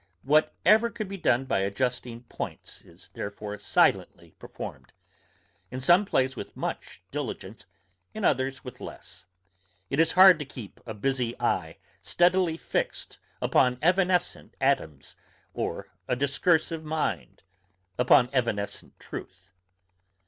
Whatever could be done by adjusting points is therefore silently performed, in some plays with much diligence, in others with less; it is hard to keep a busy eye steadily fixed upon evanescent atoms, or a discursive mind upon evanescent truth.